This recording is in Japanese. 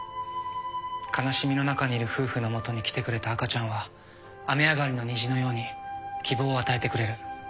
悲しみの中にいる夫婦の元に来てくれた赤ちゃんは雨上がりの虹のように希望を与えてくれる。